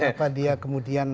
apakah dia kemudian